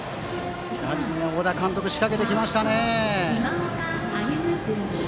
小田監督仕掛けてきましたね。